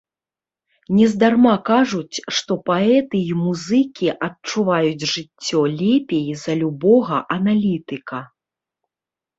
Нездарма кажуць, што паэты і музыкі адчуваюць жыццё лепей за любога аналітыка.